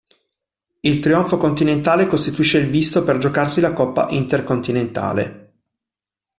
Il trionfo continentale costituisce il visto per giocarsi la Coppa Intercontinentale.